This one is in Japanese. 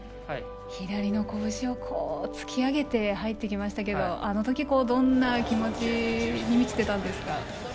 左のこぶしを突き上げて入ってきましたがあのとき、どんな気持ちに満ちていたんですか。